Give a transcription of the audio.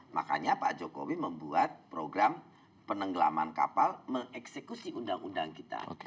makanya pak jokowi membuat program penenggelaman kapal mengeksekusi undang undang kita